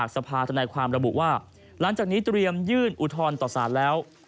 สภาธนายความระบุว่าหลังจากนี้เตรียมยื่นอุทธรณ์ต่อสารแล้ว